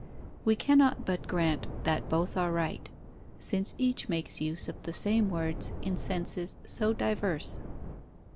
We cannot but grant that both are right, since each makes use of the same words in senses so diverse.